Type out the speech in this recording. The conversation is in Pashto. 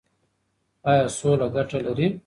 ایا سوله ګټه لري؟